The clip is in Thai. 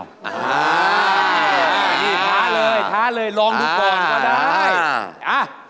นี่ท้าเลยท้าเลยลองดูก่อนก็ได้